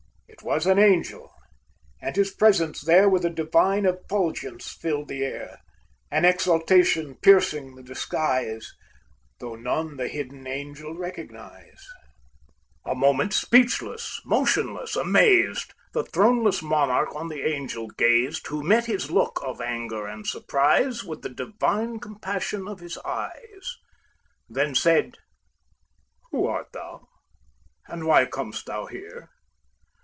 It was an Angel; and his presence there With a divine effulgence filled the air, An exaltation piercing the disguise, Though none the hidden Angel recognize. A moment speechless, motionless, amazed, The throneless monarch on the Angel gazed, Who met his look of anger and surprise With the divine compassion of his eyes; Then said, "Who art thou, and why comest thou here?"